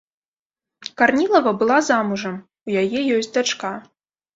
Карнілава была замужам, у яе ёсць дачка.